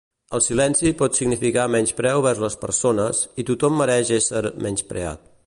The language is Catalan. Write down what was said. El silenci pot significar menyspreu vers les persones i tothom mereix ésser menyspreat.